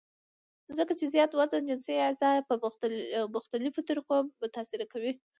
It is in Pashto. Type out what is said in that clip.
ځکه چې زيات وزن جنسي اعضاء پۀ مختلفوطريقو متاثره کوي -